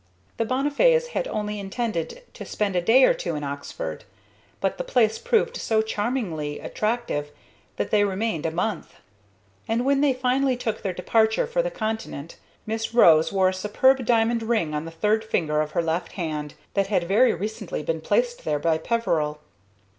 The Bonnifays had only intended to spend a day or two in Oxford, but the place proved so charmingly attractive that they remained a month, and when they finally took their departure for the Continent Miss Rose wore a superb diamond ring on the third finger of her left hand, that had very recently been placed there by Peveril.